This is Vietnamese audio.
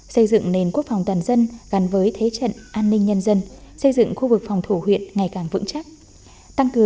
xây dựng nền quốc phòng toàn dân gắn với thế trận an ninh nhân dân xây dựng khu vực phòng thủ huyện ngày càng vững chắc